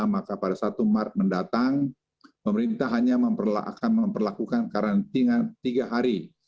maka pada satu maret mendatang pemerintah hanya akan memperlakukan karantina tiga hari